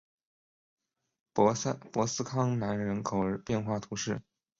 博斯康南人口变化图示